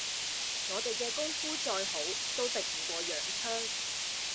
我哋嘅功夫再好，都敵唔過洋槍